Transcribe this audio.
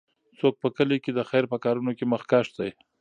څوک په کلي کې د خیر په کارونو کې مخکښ دی؟